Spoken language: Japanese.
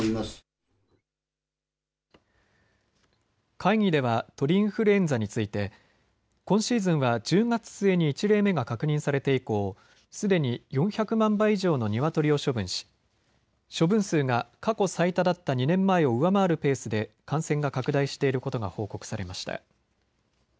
会議では鳥インフルエンザについて今シーズンは１０月末に１例目が確認されて以降、すでに４００万羽以上のニワトリを処分し、処分数が過去最多だった２年前を上回るペースで感染が拡大していることが報告されました。